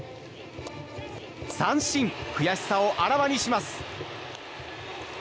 三振、悔しさをあらわにします。